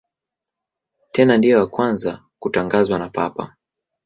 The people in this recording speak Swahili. Tena ndiye wa kwanza kutangazwa na Papa.